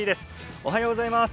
おはようございます。